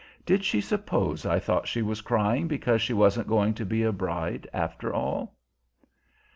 Did she suppose I thought she was crying because she wasn't going to be a bride, after all?